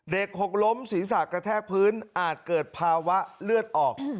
หกล้มศีรษะกระแทกพื้นอาจเกิดภาวะเลือดออก